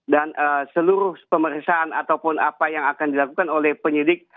dan seluruh pemeriksaan ataupun apa yang akan dilakukan oleh penyidik